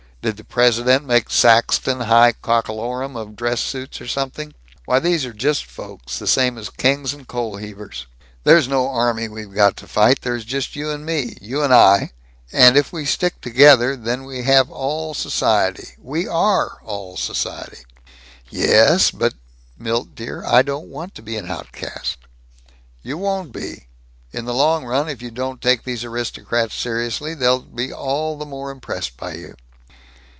Did the president make Saxton High Cockalorum of Dress Suits or something? Why, these are just folks, the same as kings and coal heavers. There's no army we've got to fight. There's just you and me you and I and if we stick together, then we have all society, we are all society!" "Ye es, but, Milt dear, I don't want to be an outcast." "You won't be. In the long run, if you don't take these aristocrats seriously, they'll be all the more impressed by you."